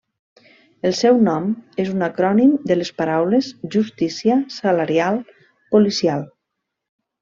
El seu nom és un acrònim de les paraules Justícia Salarial Policial.